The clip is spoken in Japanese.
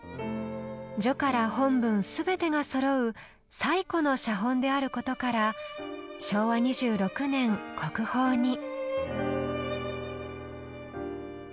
序から本文全てがそろう最古の写本であることから昭和２６年国宝に。